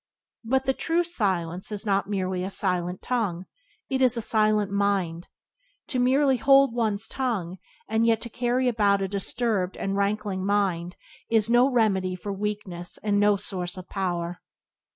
But the true silence is not merely a silent tongue; it is a silent mind. To merely hold one's tongue, and yet to carry about a disturbed and rankling mind, is no remedy for weakness and no source of power.